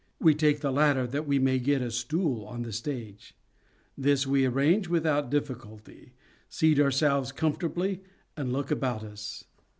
We take the latter, that SHAKESPEAREAN THEATRES 17 we may get a stool on the stage. This we arrange without difficulty, seat ourselves comfortably, and look about us.